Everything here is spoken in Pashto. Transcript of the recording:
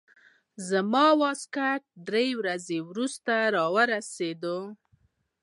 زما واسکټ درې ورځې وروسته راورسېد.